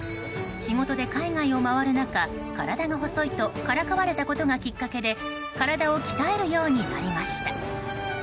仕事で海外を回る中、体が細いとからかわれたことがきっかけで体を鍛えるようになりました。